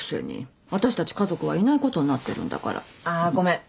あごめん。